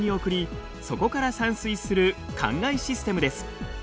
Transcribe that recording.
そこから散水する灌漑システムです。